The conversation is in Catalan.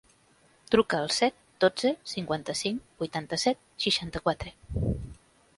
Truca al set, dotze, cinquanta-cinc, vuitanta-set, seixanta-quatre.